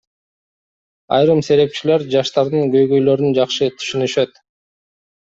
Айрым серепчилер жаштардын көйгөйлөрүн жакшы түшүнүшөт.